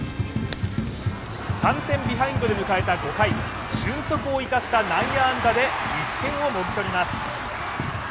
３点ビハインドで迎えた５回、俊足を生かした内野安打で１点をもぎ取ります。